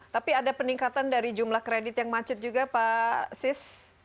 tapi ada peningkatan dari jumlah kredit yang macet juga pak sis